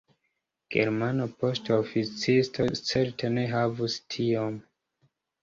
Germana poŝtoficisto certe ne havus tiom.